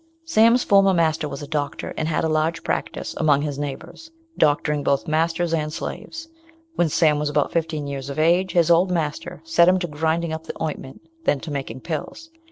Sam's former master was a doctor, and had a large practice among his neighbours, doctoring both masters and slaves. When Sam was about fifteen years of age, his old master set him to grinding up the ointment, then to making pills.